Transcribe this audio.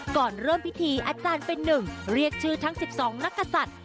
ก่อนเริ่มพิธีอาจารย์เป็นหนึ่งเรียกชื่อทั้ง๑๒นักศัตริย์